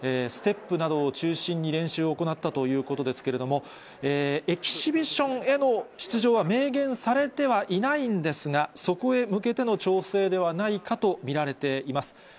ステップなどを中心に練習を行ったということですけれども、エキシビションへの出場は明言されてはいないんですが、そこへ向けての調整ではないかと見られています。